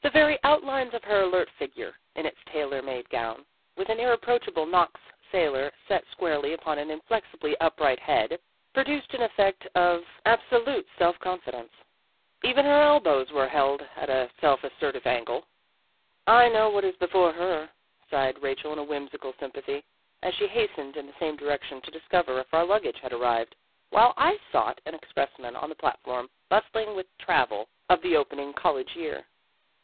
The very out lines of her alert figure in its tailor made gown, with an irreproachable Knox sailor set squarely upon an inflexibly upright head, produced an effect of absolute self 175 176 Vassar Studies confidence. Even her elbows were held at a self assertive angle. " I know what is before her," sighed Rachel in whimsical sympathy, as she hastened in the same direction to discover if our luggage had arrived, while I sought an expressman on the platform bustling with travel of the opening college year.